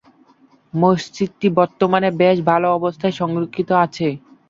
মসজিদটি বর্তমানে বেশ ভাল অবস্থায় সংরক্ষিত আছে।